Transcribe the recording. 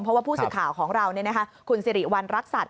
เพราะว่าผู้สื่อข่าวของเราคุณสิริวัณรักษัตริย